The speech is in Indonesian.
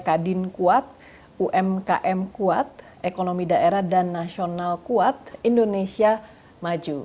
kadin kuat umkm kuat ekonomi daerah dan nasional kuat indonesia maju